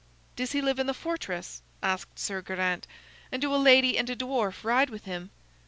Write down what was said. "Does he live in the fortress?" asked Sir Geraint. "And do a lady and a dwarf ride with him?"